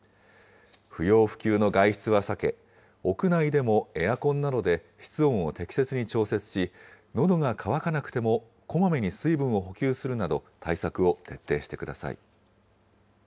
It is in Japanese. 不要不急の外出は避け、屋内でもエアコンなどで室温を適切に調節し、のどが渇かなくてもこまめに水分を補給するなど、対策を徹底してください。